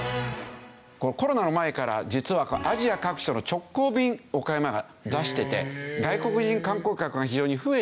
コロナの前から実はアジア各所の直行便岡山が出してて外国人観光客が非常に増えてきているという。